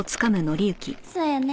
そうよね。